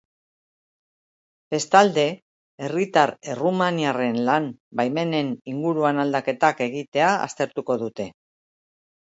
Bestalde, herritar errumaniarren lan-baimenen inguruan aldaketak egitea aztertuko dute.